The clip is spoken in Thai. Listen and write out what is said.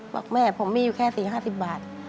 บอกแม่ผมมีอยู่แค่๔๕๐บาท